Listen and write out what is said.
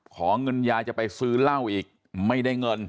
ขอเงินยายจะไปซื้อเหล้าอีกไม่ได้เงิน